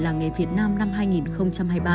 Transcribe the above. làng nghề việt nam năm hai nghìn hai mươi ba